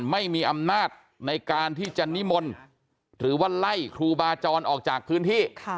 ไม่มีอำนาจในการที่จะนิมนต์หรือว่าไล่ครูบาจรออกจากพื้นที่